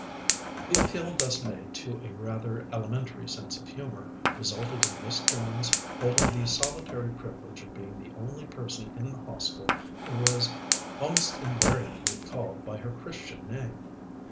The appeal thus made to a rather elementary sense of humour resulted in Miss Jones holding the solitary privilege of being the only person in the Hostel who was almost invariably called by her Christian name.